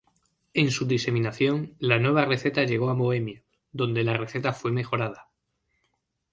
En su diseminación, la nueva receta llegó a Bohemia, donde la receta fue mejorada.